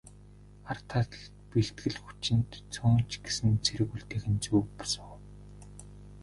Ар талд бэлтгэл хүчинд цөөн ч гэсэн цэрэг үлдээх нь зөв бус уу?